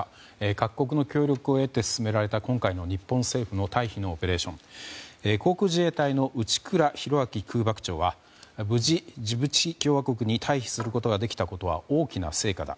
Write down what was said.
各国の協力を得て進められた今回の日本の退避のオペレーション航空自衛隊の内倉浩昭空幕長は無事、ジブチ共和国に退避することができたのは大きな成果だ。